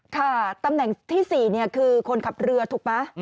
ค่ะตำแหน่งที่๔คือคนขับเรือถูกไหม